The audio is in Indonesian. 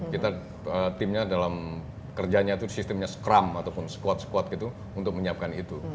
kita timnya dalam kerjanya itu sistemnya scrum ataupun squat squad gitu untuk menyiapkan itu